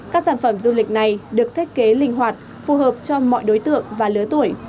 các sản phẩm du lịch này được thiết kế linh hoạt phù hợp cho mọi đối tượng và lứa tuổi